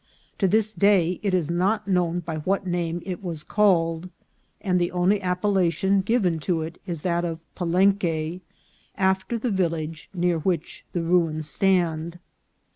To this day it is not known by what name it was called, and the only appellation given to it is that of Palenque, after the village near which the ruins stand.